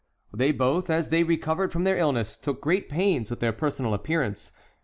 They both, as they recovered from their illness, took great pains with their personal appearance.